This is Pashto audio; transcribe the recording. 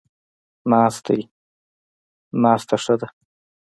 ناست دی، ناسته ښه ده